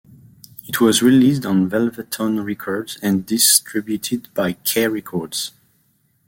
It was released on Velvetone Records and distributed by K Records.